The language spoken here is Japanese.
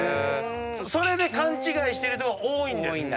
それで勘違いしてる人が多いんです。